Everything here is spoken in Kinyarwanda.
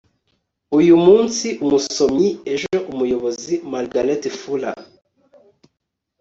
uyu munsi umusomyi, ejo umuyobozi. - margaret fuller